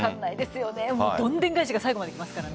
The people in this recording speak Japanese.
どんでん返しが最後まで来ますから。